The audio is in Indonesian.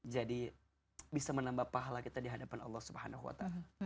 jadi bisa menambah pahala kita dihadapan allah swt